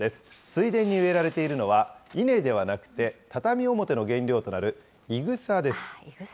水田に植えられているのは、稲ではなくて、畳表の原料となるいぐさです。